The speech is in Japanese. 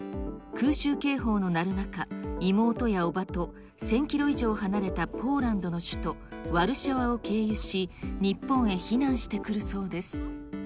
空襲警報の鳴る中、妹や伯母と１０００キロ以上離れたポーランドの首都ワルシャワを経由し、日本へ避難してくるそうです。